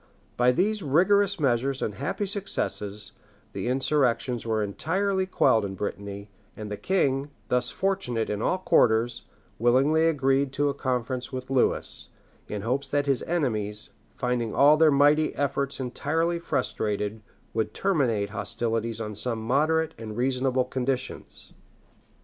By these rigorous measures and happy successes, the insurrections were entirely quelled in Brittany; and the king, thus fortunate in all quarters, willingly agreed to a conference with Lewis, in hopes that his enemies, finding all their mighty efforts entirely frustrated, would terminate hostilities on some moderate and reasonable conditions.